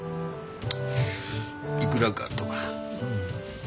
いくらかとは？ん。